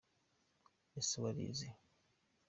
Ese warize?